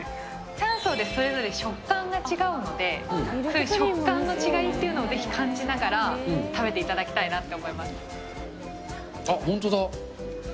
３層でそれぞれ食感が違うので、食感の違いっていうのをぜひ感じながら食べていただきたいなってあっ、本当だ。